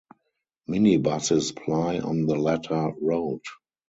Minibuses ply on the latter road.